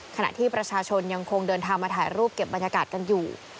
ขณะที่ประชาชนยังคงเดินทางมาถ่ายรูปเก็บบรรยากาศกันอยู่